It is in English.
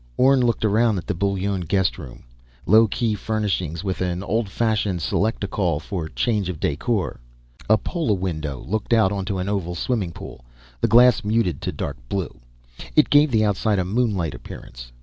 Orne looked around at the Bullone guest room: low key furnishings with an old fashioned selectacol for change of decor. A polawindow looked out onto an oval swimming pool, the glass muted to dark blue. It gave the outside a moonlight appearance.